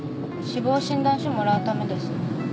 死亡診断書もらうためです。